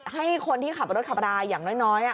ให้คนที่ขับรถขับราอย่างน้อย